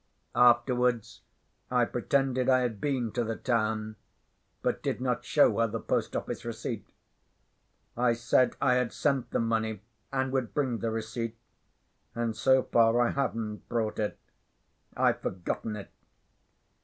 Afterwards I pretended I had been to the town, but did not show her the post office receipt. I said I had sent the money and would bring the receipt, and so far I haven't brought it. I've forgotten it.